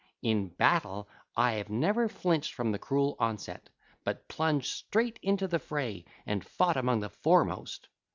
In battle I have never flinched from the cruel onset, but plunged straight into the fray and fought among the foremost.